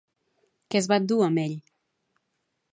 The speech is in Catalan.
Què es va endur amb ell?